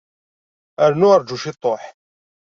Rnu rju ciṭuḥ.